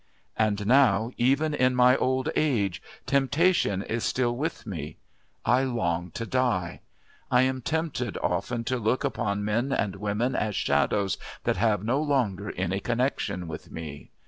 And now, even in my old age, temptation is still with me. I long to die. I am tempted often to look upon men and women as shadows that have no longer any connection with me.